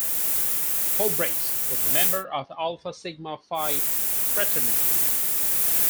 Houbregs was a member of Alpha Sigma Phi fraternity.